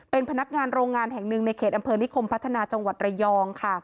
เป็นพนักงานโรงงานแห่งหนึ่งในเขตอำเภอนิคมพัฒนาจังหวัดระยองค่ะ